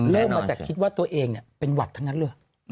เริ่มมาจากคิดว่าตัวเองเป็นหวัดทั้งนั้นเลย